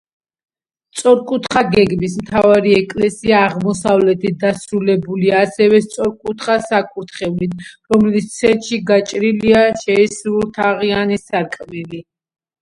სწორკუთხა გეგმის, მთავარი ეკლესია აღმოსავლეთით დასრულებულია ასევე სწორკუთხა საკურთხევლით, რომლის ცენტრში გაჭრილია შეისრულთაღიანი სარკმელი.